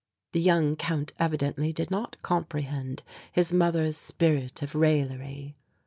The young Count evidently did not comprehend his mother's spirit of raillery.